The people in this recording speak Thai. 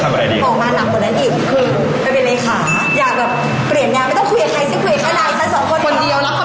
จะทำอะไรดีกว่าคือจะเป็นเลคา